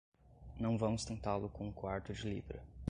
Não vamos tentá-lo com o quarto de libra.